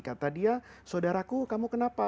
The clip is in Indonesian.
kata dia saudaraku kamu kenapa